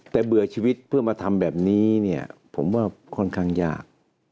แต่เบื่อชีวิตเพื่อมาทำแบบนี้เนี่ยผมว่าค่อนข้างยาก